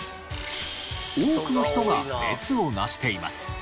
多くの人が列をなしています。